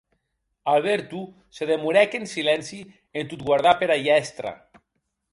Alberto se demorèc en silenci en tot guardar pera hièstra.